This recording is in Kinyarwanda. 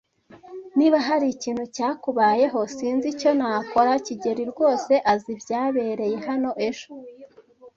Niba hari ikintu cyakubayeho, sinzi icyo nakora. kigeli rwose azi ibyabereye hano ejo.